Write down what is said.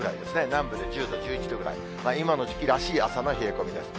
南部で１０度、１１度ぐらい、今の時期らしい朝の冷え込みです。